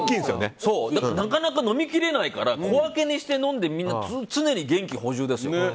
だからなかなか飲み切れないから小分けにして飲んでみんな常に元気を補充ですよ。